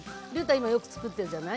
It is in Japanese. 今よく作ってるじゃない？